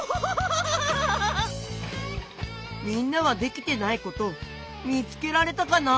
みんなはできてないことみつけられたかな？